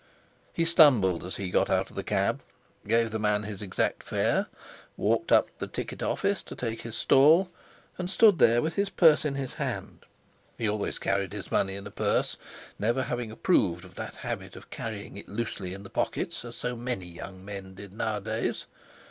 He stumbled as he got out of the cab, gave the man his exact fare, walked up to the ticket office to take his stall, and stood there with his purse in his hand—he always carried his money in a purse, never having approved of that habit of carrying it loosely in the pockets, as so many young men did nowadays.